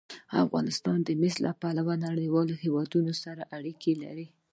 افغانستان د مس له پلوه له نورو هېوادونو سره اړیکې لري.